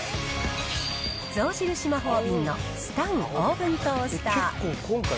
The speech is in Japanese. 象印マホービンのスタンオーブントースター。